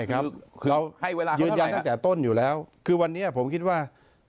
ไม่ครับเขายืนยันตั้งแต่ต้นอยู่แล้วครึ่วันนี้ผมคิดว่า